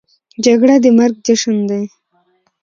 جګړه د مرګ جشن دی